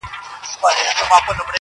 زه لکه نغمه درسره ورک سمه٫